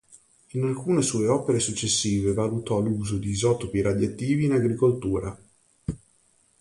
In alcune sue opere successive valutò l'uso di isotopi radioattivi in agricoltura.